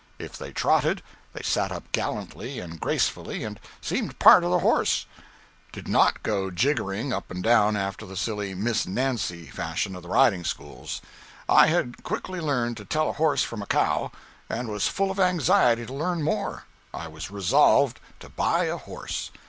If they trotted, they sat up gallantly and gracefully, and seemed part of the horse; did not go jiggering up and down after the silly Miss Nancy fashion of the riding schools. I had quickly learned to tell a horse from a cow, and was full of anxiety to learn more. I was resolved to buy a horse.